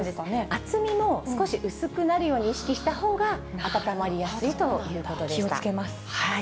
厚みも少し薄くなるように意識したほうが温まりやすいということ気をつけます。